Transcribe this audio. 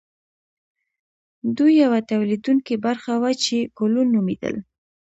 دوی یوه تولیدونکې برخه وه چې کولون نومیدل.